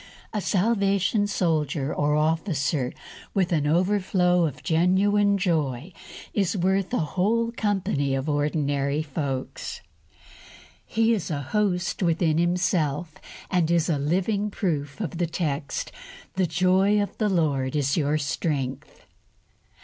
A Salvation Soldier or Officer with an overflow of genuine joy is worth a whole company of ordinary folks. He is a host within himself, and is a living proof of the text, "The joy of the Lord is your strength."